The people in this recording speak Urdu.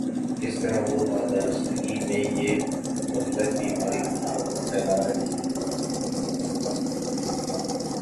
اس طرح وہ نادانستگی میں یہ مہلک بیماری دوسروں کو پھیلا رہے ہیں۔